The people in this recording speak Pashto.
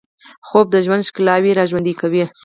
خوب د ژوند ښکلاوې راژوندۍ کوي